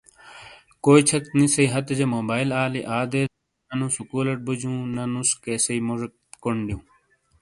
کوئی چھک نیسٔی ہَتیجا موبایٔل آِلی آؤدیزیجو نہ نُو سُکولیٹ بُجوں، تو نہ نُس کیسیٔی موجیک کوݨ دییوں۔